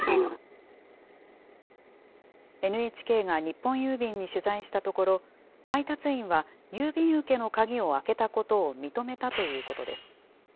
ＮＨＫが日本郵便に取材したところ、配達員は郵便受けの鍵を開けたことを認めたということです。